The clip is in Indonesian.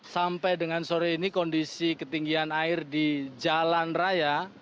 sampai dengan sore ini kondisi ketinggian air di jalan raya